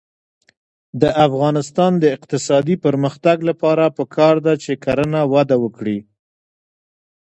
د افغانستان د اقتصادي پرمختګ لپاره پکار ده چې کرنه وده وکړي.